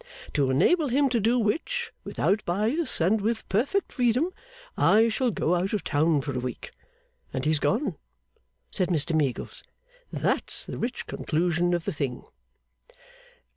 To enable him to do which, without bias and with perfect freedom, I shall go out of town for a week." And he's gone,' said Mr Meagles; 'that's the rich conclusion of the thing.